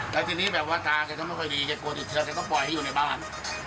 แล้วทีนี้แบบว่าตาแกก็ไม่ค่อยดีแกกลัวติดเชื้อแกต้องปล่อยให้อยู่ในบ้าน